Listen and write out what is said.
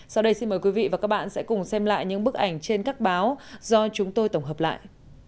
sau đây xin mời quý vị và các bạn sẽ cùng xem lại những bức ảnh trên các báo do chúng tôi tổng hợp lại